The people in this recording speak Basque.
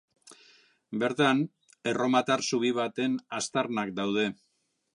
Bertan erromatar zubi baten aztarnak daude.